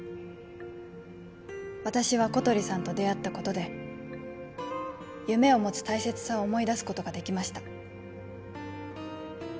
私は小鳥さんと出会ったことで夢を持つ大切さを思い出すことができました